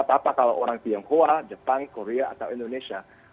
apa apa kalau orang tionghoa jepang korea atau indonesia